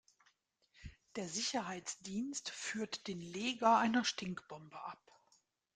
Der Sicherheitsdienst führt den Leger einer Stinkbombe ab.